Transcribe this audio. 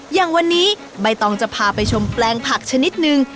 อย่างวันนี้ใบตองจะพาไปชมแปลงผักชนิดนึง